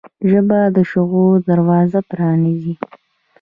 ژبه د شعور دروازه پرانیزي